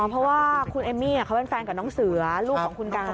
เพราะว่าคุณเอมมี่เขาเป็นแฟนกับน้องเสือลูกของคุณกา